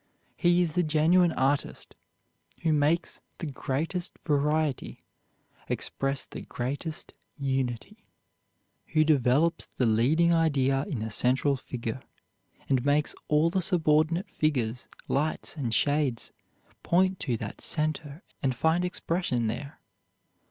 He is the genuine artist who makes the greatest variety express the greatest unity, who develops the leading idea in the central figure, and makes all the subordinate figures, lights, and shades point to that center and find expression there.